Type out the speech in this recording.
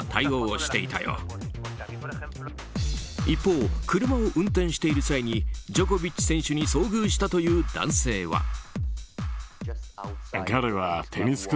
一方、車を運転している際にジョコビッチ選手に遭遇したという男性は。